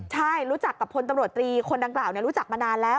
ใช่รู้จักกับพลตำรวจตรีคนดังกล่าวรู้จักมานานแล้ว